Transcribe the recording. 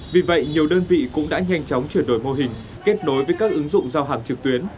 vì vậy nhiều đơn vị cũng đã nhanh chóng chuyển đổi mô hình kết nối với các ứng dụng giao hàng trực tuyến